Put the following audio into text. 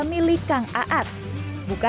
milik kang aat buka